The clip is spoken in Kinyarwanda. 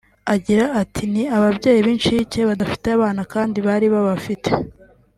Agira ati “Ni ababyeyi b’incike badafite abana kandi bari babafite